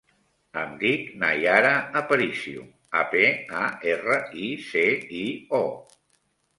Em dic Naiara Aparicio: a, pe, a, erra, i, ce, i, o.